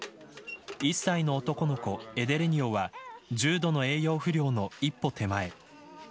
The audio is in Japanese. １歳の男の子、エデレニオは重度の栄養不良の一歩手前。